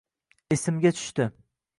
Esimga tushdi…